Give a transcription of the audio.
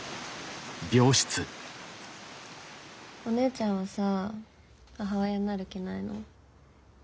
お姉ちゃんはさ母親になる気ないの？